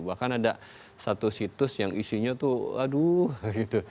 bahkan ada satu situs yang isinya tuh aduh